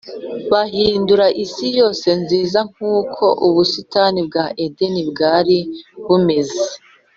bahindura isi yose nziza nk’uko ubusitani bwa edeni bwari bumeze.